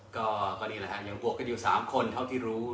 ก็ยังกว้ากันอยู่๓คนเท่าทีรู้